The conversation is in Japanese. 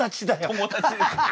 友達です。